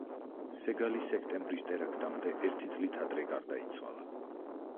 სეგალი სექტემბრის ტერაქტამდე ერთი წლით ადრე გარდაიცვალა.